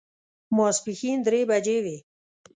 ماسپښین درې بجې وې.